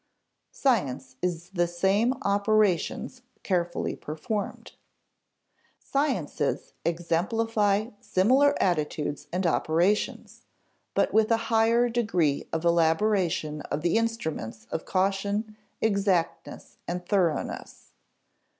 [Sidenote: Science is the same operations carefully performed] Sciences exemplify similar attitudes and operations, but with a higher degree of elaboration of the instruments of caution, exactness and thoroughness.